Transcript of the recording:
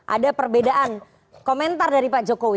ada perbedaan komentar dari pak jokowi